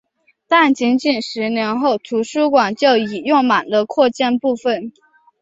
但仅仅十年后图书馆就已用满了扩建部分。